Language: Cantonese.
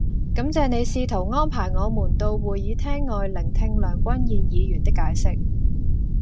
感謝你試圖安排我們到會議廳外聆聽梁君彥議員的解釋